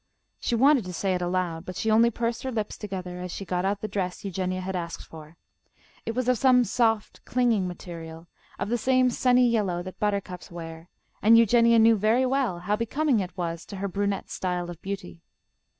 She wanted to say it aloud, but she only pursed her lips together as she got out the dress Eugenia had asked for. It was of some soft, clinging material, of the same sunny yellow that buttercups wear, and Eugenia knew very well how becoming it was to her brunette style of beauty.